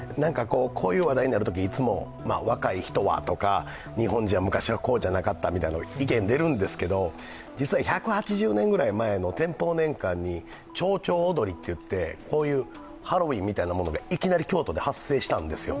こういう話題になるとき、いつも、若い人はとか、日本は昔はこうじゃなかったという意見が出るんですけど、実は１８０年くらい前の天保年間にちょうちょう踊りといって、こういうハロウィーンみたいなものがいきなり京都で発生したんですよ。